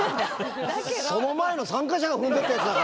その前の参加者が踏んでったやつだからね。